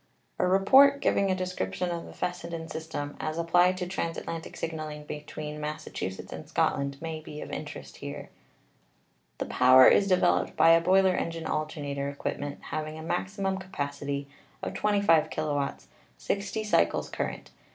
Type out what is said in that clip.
A report giving a description of the Fessenden system, as applied to transatlantic signaling between Massachu setts and Scotland may be of interest here: "The power is developed by a boiler engine alternator equipment having a maximum capacity of 25 kw., 60 cycles current.